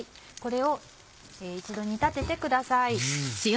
これを一度煮立ててください。